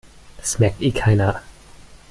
Das merkt eh keiner.